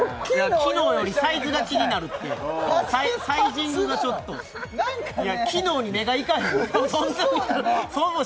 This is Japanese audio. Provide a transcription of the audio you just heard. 機能よりサイズが気になるってサイジングがちょっと機能に目がいかへん苦しそうだなそう